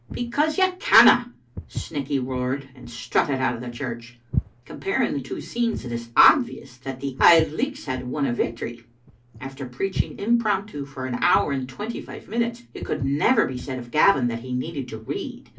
"Because you canna," Snecky roared, and strutted out of the church. Comparing the two scenes, it is obvious that the Auld Lichts had won a victory. After preaching impromptu for an hour and twenty five minutes, it could never be said of Gavin that he needed to read.